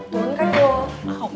tungguin kan gue